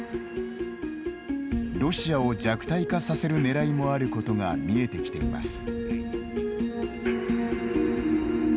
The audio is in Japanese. ロシアを弱体化させるねらいもあることが見えてきています。